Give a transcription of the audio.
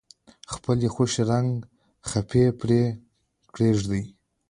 خپلې خوښې رنګه خپې پرې کیږدئ.